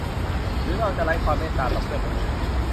หรือเราจะไร้ความเมตตาต่อเพื่อนมนุษย์